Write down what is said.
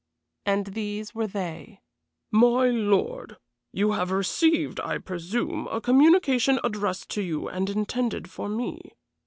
And these were they: "MY LORD, You will have received, I presume, a communication addressed to you and intended for me.